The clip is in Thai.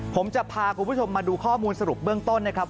ผมจะพาคุณผู้ชมมาดูข้อมูลสรุปเบื้องต้นนะครับ